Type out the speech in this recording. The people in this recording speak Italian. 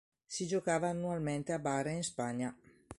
Si giocava annualmente a Bara in Spagna.